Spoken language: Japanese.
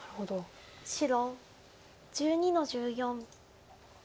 白１２の十四。